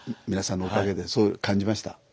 皆さんのおかげでそう感じました。